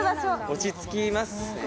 落ち着きますね。